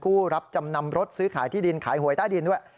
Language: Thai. ผู้รับจำนำรถซื้อขายที่ดินขายหวยใต้ดินด้วย